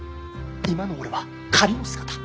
今の俺は仮の姿。